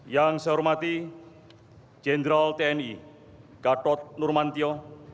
yang saya hormati jenderal tni gatot nurmantio